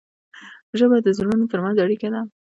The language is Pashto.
ژبه د زړونو ترمنځ اړیکه ده.